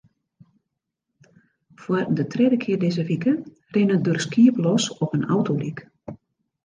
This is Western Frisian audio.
Foar de tredde kear dizze wike rinne der skiep los op in autodyk.